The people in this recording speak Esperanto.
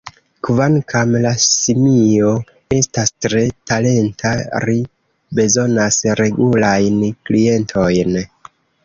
Kvankam la simio estas tre talenta, ri bezonas regulajn klientojn.